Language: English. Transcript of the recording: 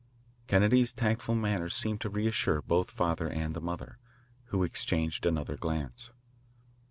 Kennedy's tactful manner seemed to reassure both the father and the mother, who exchanged another glance.